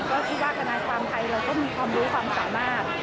ก็คิดว่าทนายความไทยเราก็มีความรู้ความสามารถ